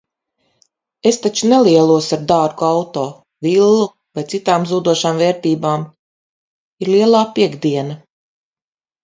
Es taču nelielos ar dārgu auto, villu vai citām zūdošām vērtībām. Ir lielā piektdiena.